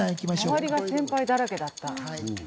周りが先輩だらけだった？